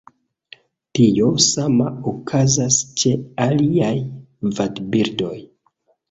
Tio sama okazas ĉe aliaj vadbirdoj.